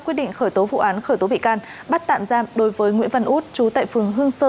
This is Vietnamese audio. quyết định khởi tố vụ án khởi tố bị can bắt tạm giam đối với nguyễn văn út chú tại phường hương sơ